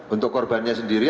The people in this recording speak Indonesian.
untuk korbannya sendiri